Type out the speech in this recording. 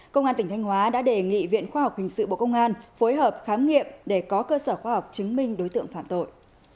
công an tỉnh thanh hóa đã đề nghị viện khoa học hình sự bộ công an phối hợp khám nghiệm để có cơ sở khoa học chứng minh đối tượng phạm tội